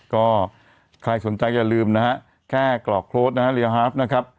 ก็ใครสนใจอย่าลืมนะฮะแค่เกราะโค๊ตนะฮะนะครับ